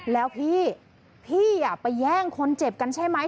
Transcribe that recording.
แล้วพี่พี่ไปแย่งคนเจ็บกันใช่ไหม